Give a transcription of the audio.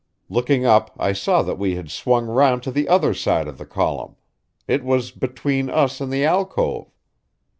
Looking up, I saw that we had swung round to the other side of the column it was between us and the alcove.